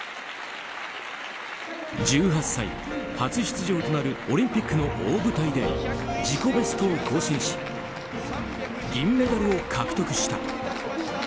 １８歳、初出場となるオリンピックの大舞台で自己ベストを更新し銀メダルを獲得した。